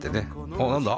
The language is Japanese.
あっ何だ？